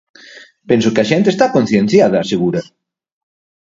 "Penso que a xente está concienciada", asegura.